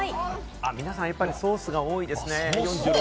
皆さん、やっぱりソースが多いですね。